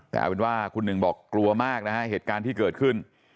แต่เอาเป็นว่าคุณหนึ่งบอกกลัวมากนะฮะเหตุการณ์ที่เกิดขึ้น